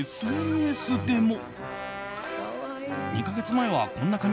ＳＮＳでも。